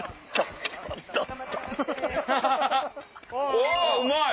おっうまい！